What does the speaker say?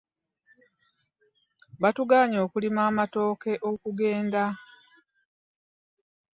Batugaanyi okulinnya emmotoka okugenda.